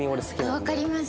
わかります。